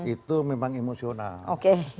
itu memang emosional